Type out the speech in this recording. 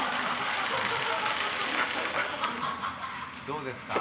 どうですか？